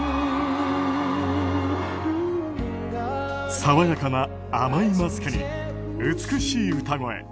爽やかな甘いマスクに美しい歌声。